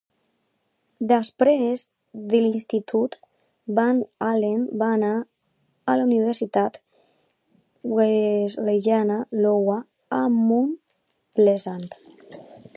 Després de l'institut, Van Allen va anar a la Universitat Wesleyana Iowa a Mount Pleasant.